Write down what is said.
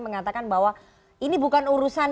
mengatakan bahwa ini bukan urusan